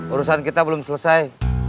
urusan kita belum selesai